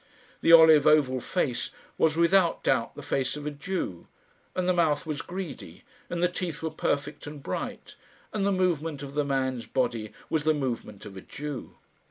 The olive oval face was without doubt the face of a Jew, and the mouth was greedy, and the teeth were perfect and bright, and the movement of the man's body was the movement of a Jew.